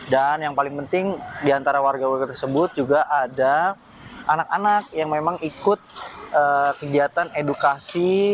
dan yang paling penting di antara warga warga tersebut juga ada anak anak yang memang ikut kegiatan edukasi